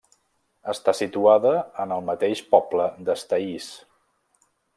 Està situada en el mateix poble d'Estaís.